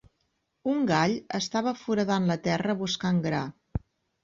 Un gall estava foradant la terra buscant gra.